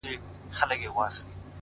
كه بې وفا سوې گراني _